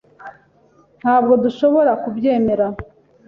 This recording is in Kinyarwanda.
Ntabwo dushobora kubyemera .